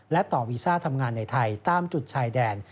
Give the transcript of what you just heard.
และต่อวีซ่าทำงานในไทยตามจุดชายแดน